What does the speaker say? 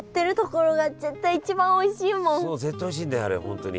そう絶対おいしいんだよあれ本当に。